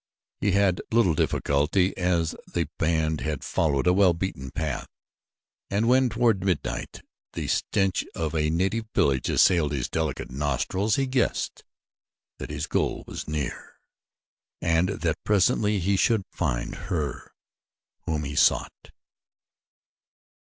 He had little difficulty as the band had followed a well beaten path and when toward midnight the stench of a native village assailed his delicate nostrils he guessed that his goal was near and that presently he should find her whom he sought.